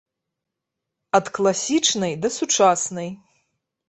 Ад класічнай да сучаснай.